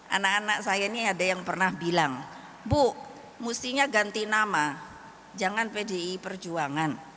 anak anak saya ini ada yang pernah bilang bu mestinya ganti nama jangan pdi perjuangan